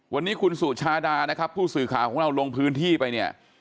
วันนี้คุณสุชาดานะครับผู้สื่อข่าวของเราลงพื้นที่ไปเนี่ย